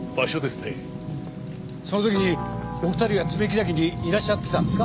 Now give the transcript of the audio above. その時にお二人は爪木崎にいらっしゃってたんですか？